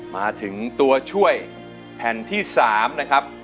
มาถึงตัวช่วยแผ่นที่๓นะครับ